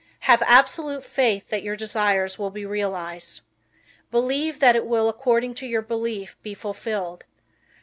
Have absolute faith that your desires will be realized. Believe that it will according to your belief be fulfilled.